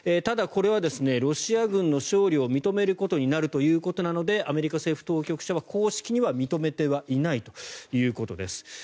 ただ、これはロシア軍の勝利を認めることになるということなのでアメリカ政府当局者は、公式には認めていないということです。